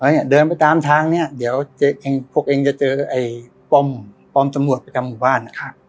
เนี่ยเดินไปตามทางเนี่ยเดี๋ยวเจ๊เองพวกเองจะเจอไอ้ป้อมป้อมตำรวจประจำหมู่บ้าน